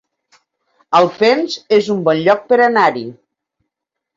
Alpens es un bon lloc per anar-hi